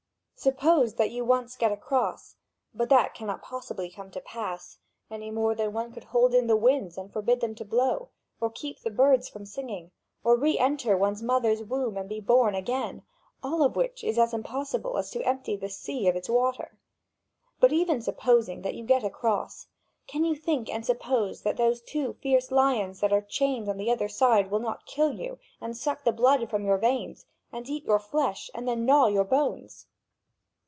Suppose that you once get across (but that cannot possibly come to pass, any more than one could hold in the winds and forbid them to blow, or keep the birds from singing, or re enter one's mother's womb and be born again all of which is as impossible as to empty the sea of its water); but even supposing that you got across, can you think and suppose that those two fierce lions that are chained on the other side will not kill you, and suck the blood from your veins, and eat your flesh and then gnaw your bones?